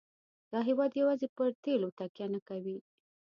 دا هېواد یوازې پر تیلو تکیه نه کوي.